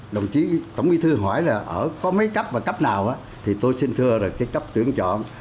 đồng chí tổng bí thư hỏi là ở có mấy cấp và cấp nào thì tôi xin thưa là cái cấp tuyển chọn